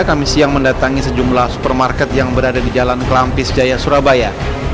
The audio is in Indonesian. kami siang mendatangi sejumlah supermarket yang berada di jalan kelampis jaya surabaya